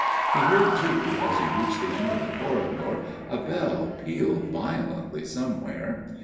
He heard, too, as he reached the end of the corridor, a bell peal violently somewhere.